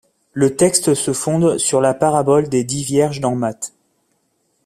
Le texte se fonde sur la parabole des dix vierges dans Mat.